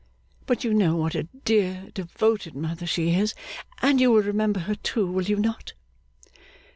But you know what a dear, devoted mother she is, and you will remember her too; will you not?